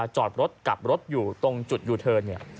จอดรถกลับรถอยู่ตรงจุดยูเทิร์นเนี่ย